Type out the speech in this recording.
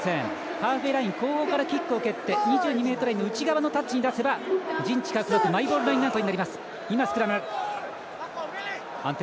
ハーフウェーライン後方からキックを蹴って２２ｍライン内側のタッチに出せば陣地獲得マイボールラインアウト。